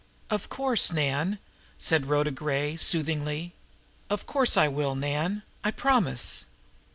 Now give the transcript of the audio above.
"Of course, Nan," said Rhoda Gray soothingly. "Of course, I will, Nan. I promise."